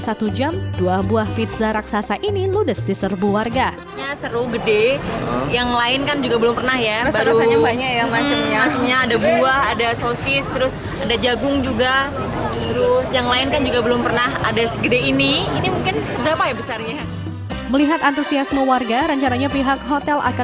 pembuatan dua buah pizza raksasa ini dilakukan di kabupaten bojonegoro minggu pagi